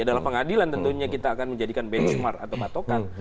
dalam pengadilan tentunya kita akan menjadikan benchmark atau patokan